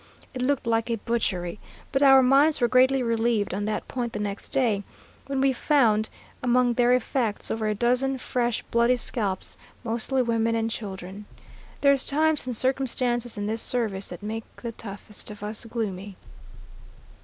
It looked like a butchery, but our minds were greatly relieved on that point the next day, when we found among their effects over a dozen fresh, bloody scalps, mostly women and children. There's times and circumstances in this service that make the toughest of us gloomy."